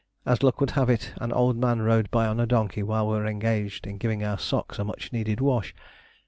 As luck would have it, an old man rode by on a donkey while we were engaged in giving our socks a much needed wash.